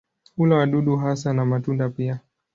Hula wadudu hasa na matunda pia.